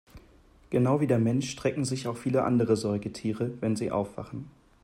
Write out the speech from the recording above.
Genau wie der Mensch strecken sich auch viele andere Säugetiere, wenn sie aufwachen.